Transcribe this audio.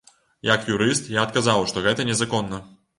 Як юрыст, я адказаў, што гэта незаконна.